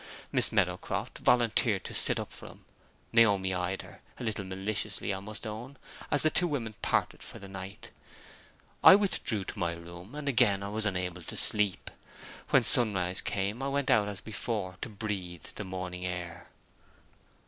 Miss Meadowcroft volunteered to sit up for him. Naomi eyed her, a little maliciously I must own, as the two women parted for the night. I withdrew to my room; and again I was unable to sleep. When sunrise came, I went out, as before, to breathe the morning air.